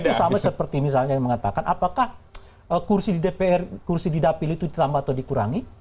itu sama seperti misalnya yang mengatakan apakah kursi di dpr kursi di dapil itu ditambah atau dikurangi